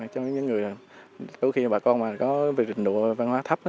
thôi khi bà con mà có vị trình độ văn hóa thấp